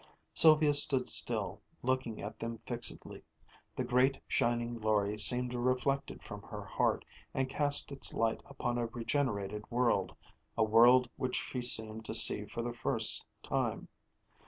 Sylvia stood still, looking at them fixedly. The great shining glory seemed reflected from her heart, and cast its light upon a regenerated world a world which she seemed to see for the first time.